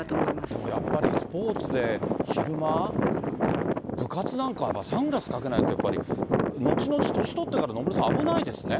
でもやっぱりスポーツで昼間、部活なんかはサングラスかけないとやっぱり後々、年取ってから野村さん、危ないですね。